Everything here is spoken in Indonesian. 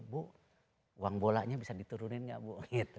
bu uang bolanya bisa diturunin nggak bu